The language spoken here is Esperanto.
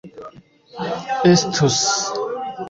estus